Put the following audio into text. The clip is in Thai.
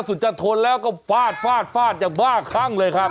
สุดจะทนแล้วก็ฟาดยังบ้าข้างเลยครับ